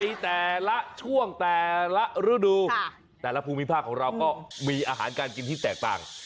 แต่ละช่วงแต่ละฤดูแต่ละภูมิภาคของเราก็มีอาหารการกินที่แตกต่าง